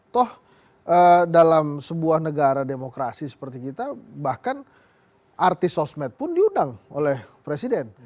toh dalam sebuah negara demokrasi seperti kita bahkan artis sosmed pun diundang oleh presiden